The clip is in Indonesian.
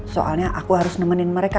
soalnya aku harus nemenin mereka